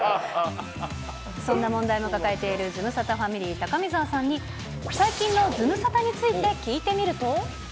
そんな問題を抱えているズムサタファミリー、高見沢さんに最近のズムサタについて聞いてみると。